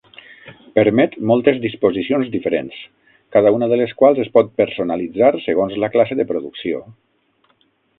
Permet moltes disposicions diferents, cada una de les quals es pot personalitzar segons la classe de producció.